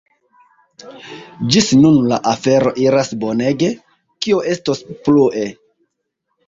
Ĝis nun la afero iras bonege, kio estos plue?